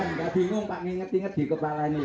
nggak bingung pak mengingat ingat di kepala ini lho